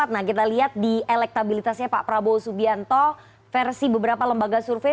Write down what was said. nah kita lihat di elektabilitasnya pak prabowo subianto versi beberapa lembaga survei